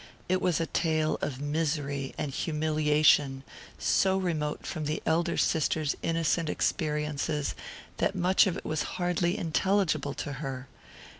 It was a tale of misery and humiliation so remote from the elder sister's innocent experiences that much of it was hardly intelligible to her.